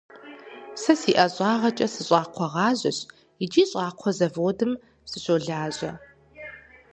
Сэ си ӏэщӏагъэкӏэ сыщӏакхъуэгъажьэщ икӏи щӏакхъуэ заводым сыщолажьэ.